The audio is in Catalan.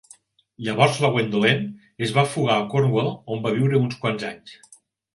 Llavors la Gwendolen es va fugar a Cornwall, on va viure uns quants anys.